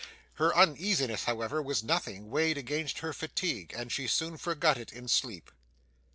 Her uneasiness, however, was nothing, weighed against her fatigue; and she soon forgot it in sleep.